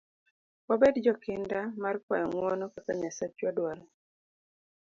Wabed jo kinda mar kwayo ng'uono kaka Nyasachwa dwaro.